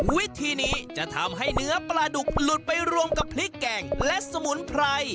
วิธีนี้จะทำให้เนื้อปลาดุกหลุดไปรวมกับพริกแกงและสมุนไพร